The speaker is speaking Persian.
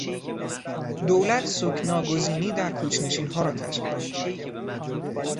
دولت سکنی گزینی در کوچ نشینها را تشویق میکرد.